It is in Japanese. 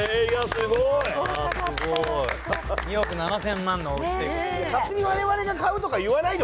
すごい。２億７０００万のおうちということで。